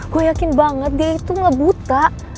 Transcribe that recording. gue yakin banget dia itu gak buta